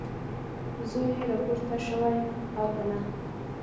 زوی یې راپورته شوی او که نه؟